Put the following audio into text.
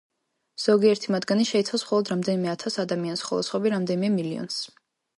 ზოგიერთი მათგანი შეიცავს მხოლოდ რამდენიმე ათას ადამიანს, ხოლო სხვები რამდენიმე მილიონს.